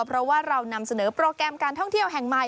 เพราะว่าเรานำเสนอโปรแกรมการท่องเที่ยวแห่งใหม่